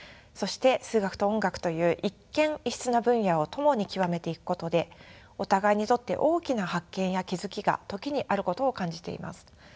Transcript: そして数学と音楽という一見異質な分野をともに極めていくことでお互いにとって大きな発見や気付きが時にあることを感じています。